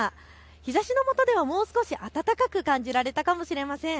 日ざしのもとではもう少し暖かく感じられたかもしれません。